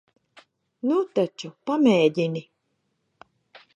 Nu taču, pamēģini.